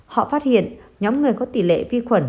họ phát hiện nhóm người có tỷ lệ vi khuẩn